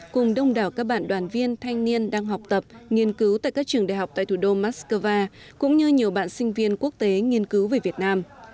cùng đông đảo các bạn đoàn viên thanh niên đang học tập nghiên cứu tại các trường đại học tại thủ đô moscow cũng như nhiều bạn sinh viên quốc tế nghiên cứu về việt nam